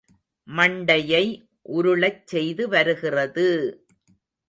மண்டையை உருளச் செய்து வருகிறது!